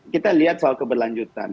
kita lihat soal keberlanjutan